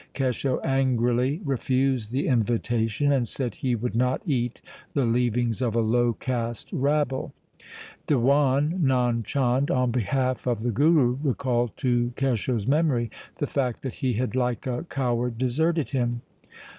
Kesho angrily refused the invitation, and said he would not eat the leavings of a low caste rabble. Diwan Nand Chand, on behalf of the Guru, recalled to Kesho's memory the fact that he had like a coward deserted him.